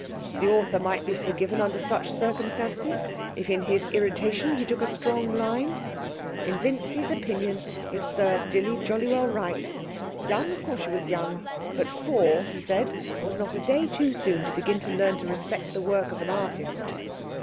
The author might be forgiven under such circumstances if in his irritation he took a strong line. In Vincy's opinion it served Dilly jolly well right. Young? Of course she was young, but four (he said) was not a day too soon to begin to learn to respect the work of the artist.